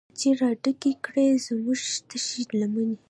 چې راډکې کړي زمونږ تشې لمنې